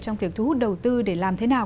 trong việc thu hút đầu tư để làm thế nào